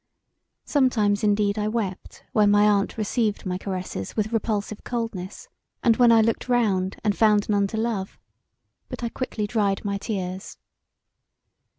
Sometimes indeed I wept when my aunt received my caresses with repulsive coldness, and when I looked round and found none to love; but I quickly dried my tears.